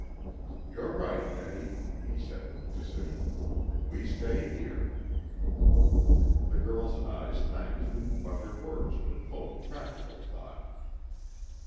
"You're right, Betty," he said with decision. "We stay here." The girl's eyes thanked him, but her words were full of practical thought.